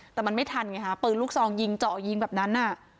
แต่มันไม่ทันไงฮะปืนลูกซองยิงเจาะยิงแบบนั้น